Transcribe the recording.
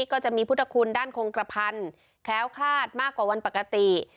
ก็จะมีพุทธคุณด้านคงกระพันแคล้วคลาดมากกว่าวันปกติ